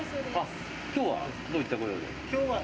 今日はどういったご用で？